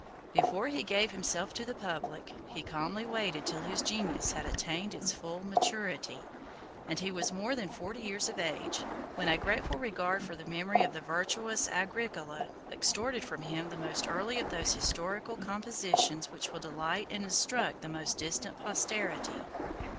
Before he gave himself to the public, he calmly waited till his genius had attained its full maturity, and he was more than forty years of age, when a grateful regard for the memory of the virtuous Agricola extorted from him the most early of those historical compositions which will delight and instruct the most distant posterity.